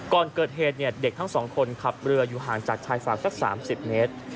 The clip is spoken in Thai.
ก่อนเกิดเหตุเด็กทั้งสองคนขับเรืออยู่ห่างจากชายฝั่งสัก๓๐เมตร